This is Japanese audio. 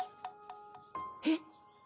えっ！？